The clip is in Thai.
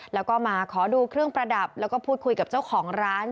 แล้วก็มาขอดูเครื่องประดับแล้วก็พูดคุยกับเจ้าของร้าน